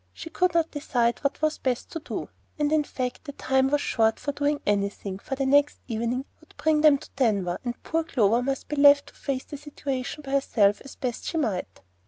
She could not decide what was best to do; and in fact the time was short for doing anything, for the next evening would bring them to Denver, and poor Clover must be left to face the situation by herself as best she might.